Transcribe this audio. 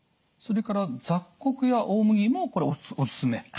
それから雑穀や大麦もこれおすすめ。